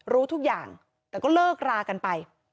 รู้ทุกอย่างแต่ก็เลิกรากันไป